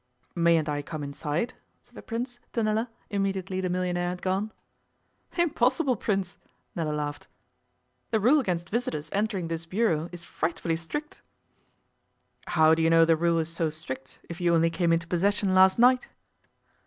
'Mayn't I come inside?' said the Prince to Nella immediately the millionaire had gone. 'Impossible, Prince,' Nella laughed. 'The rule against visitors entering this bureau is frightfully strict.' 'How do you know the rule is so strict if you only came into possession last night?